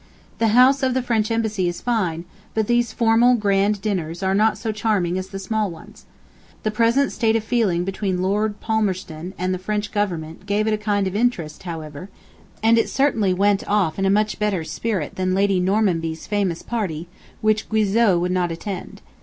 The house of the French Embassy is fine, but these formal grand dinners are not so charming as the small ones. The present state of feeling between Lord Palmerston and the French Government gave it a kind of interest, however, and it certainly went off in a much better spirit than Lady Normanby's famous party, which Guizot would not attend.